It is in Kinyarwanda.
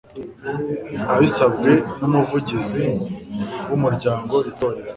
abisabwe n umuvugizi w umuryango itorero